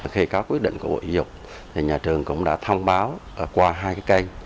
khi có quyết định của bộ giáo dục thì nhà trường cũng đã thông báo qua hai cái kênh